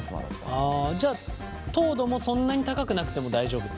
ああじゃあ糖度もそんなに高くなくても大丈夫ってこと？